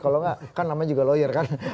kalau enggak kan namanya juga lawyer kan